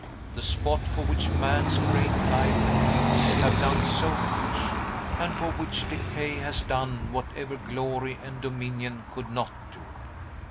The spot for which man's great life and deeds have done so much, and for which decay has done whatever glory and dominion could not do!